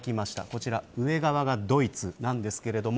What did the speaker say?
こちら、上側がドイツです。